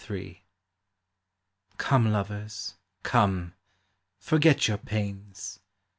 Come, lovers, come, forget your pains